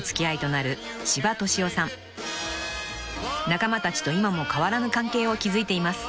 ［仲間たちと今も変わらぬ関係を築いています］